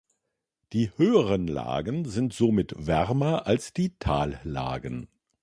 Die höheren Lagen sind somit wärmer als die Tallagen.